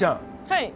はい。